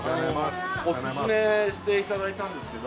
オススメしていただいたんですけど。